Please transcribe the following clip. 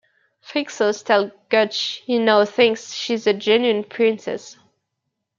Frixos tells Gutch he now thinks she's a genuine princess.